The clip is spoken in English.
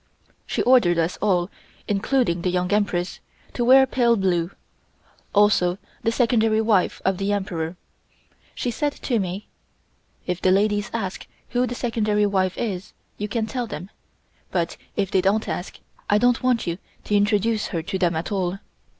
She ordered us all, including the Young Empress, to wear pale blue, also the Secondary wife of the Emperor. She said to me: "If the ladies ask who the Secondary wife is, you can tell them; but if they don't ask, I don't want you to introduce her to them at all.